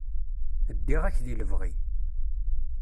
Ddiɣ-ak di lebɣi.